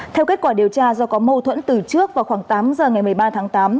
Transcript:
theo kết quả điều tra do có mâu thuẫn từ trước vào khoảng tám giờ ngày một mươi ba tháng tám